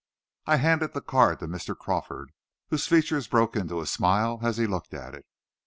I handed the card to Mr. Crawford, whose features broke into a smile as he looked at it.